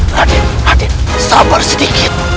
raden raden sabar sedikit